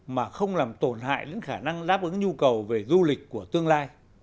mà không làm tổn hại đến khả năng đáp ứng nhu cầu về du lịch của tương lai